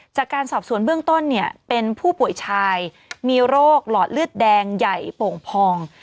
จากการสอบสวนเบื้องต้นเนี่ยเป็นผู้ป่วยชายมีโรคหลอดเลือดแดงใหญ่โป่งพอง